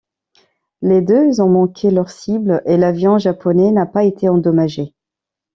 Les deux ont manqué leur cible, et l'avion japonais n'a pas été endommagé.